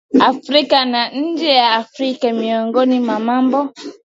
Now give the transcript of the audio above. Afrika na nje ya Afrika Miongoni mwa mambo